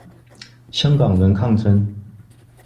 香港人抗爭